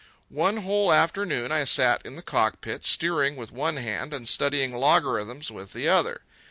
One whole afternoon I sat in the cockpit, steering with one hand and studying logarithms with the other.